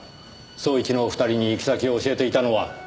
捜一のお二人に行き先を教えていたのは。